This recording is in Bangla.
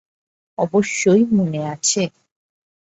অবশ্যই মনে আছে।